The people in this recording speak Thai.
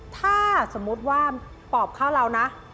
ถ้าสมมุติว่าปอบเข้าเรานะ